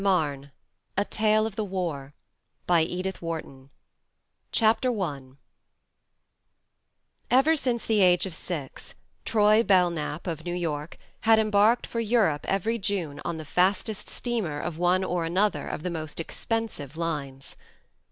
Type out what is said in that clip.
MARTIN'S STREET, LONDON 1918 COPYRIGHT THE MARNE EVER since the age of six Troy Belknap of New York had embarked for Europe every June on the fastest steamer of one or another of the most expensive lines.